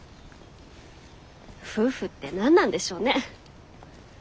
夫婦って何なんでしょうね。